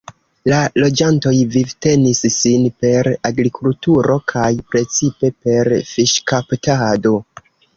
La loĝantoj vivtenis sin per agrikulturo kaj precipe per fiŝkaptado.